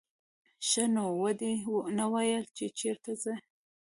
ښه نو ودې نه ویل چې چېرته ځې.